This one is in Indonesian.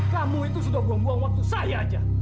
kamu itu sudah buang buang waktu saya aja